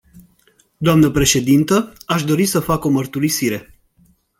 Doamnă președintă, aș dori să fac o mărturisire.